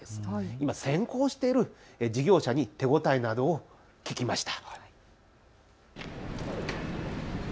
今、先行している事業者に手応えなどを聞きました。